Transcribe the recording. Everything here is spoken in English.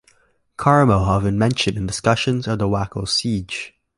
Carmel have been mentioned in discussions of the Waco siege.